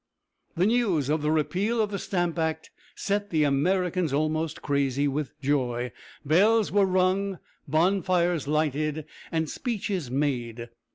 The news of the repeal of the Stamp Act set the Americans almost crazy with joy. Bells were rung, bonfires lighted, and speeches made.